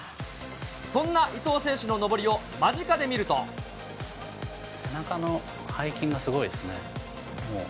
そんな伊藤選手の登りを、背中の背筋がすごいですね。